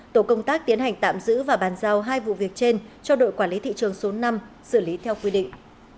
tổ công tác tiến hành tạm giữ và bàn giao hai vụ việc trên cho đội quản lý thị trường số năm xử lý theo quy định